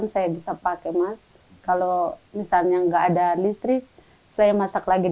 saya mau waktunya ditambah lagi mas